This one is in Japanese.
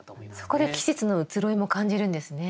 そこで季節の移ろいも感じるんですね。